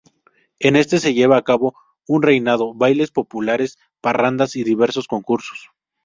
En este se lleva a cabo un reinado, bailes populares, parrandas y diversos concursos.